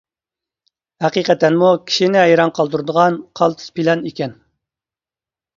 ھەقىقەتەنمۇ كىشىنى ھەيران قالدۇرىدىغان قالتىس پىلان ئىكەن!